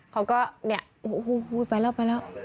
เขาก็เนี่ย